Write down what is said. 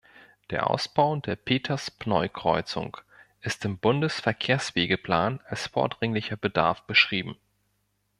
Der Ausbau der Peters-Pneu-Kreuzung ist im Bundesverkehrswegeplan als vordringlicher Bedarf beschrieben.